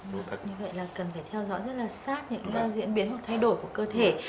như vậy là cần phải theo dõi rất là sát những diễn biến hoặc thay đổi của cơ thể